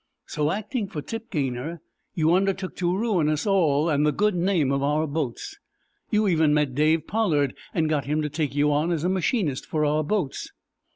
"So, acting for Tip Gaynor, you undertook to ruin us all and the good name of our boats! You even met Dave Pollard and got him to take you on as a machinist for our boats!"